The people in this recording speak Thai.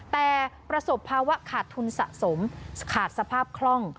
แต่ประสบภาวะขาดทุนสะสมขาดสภาพคล่อง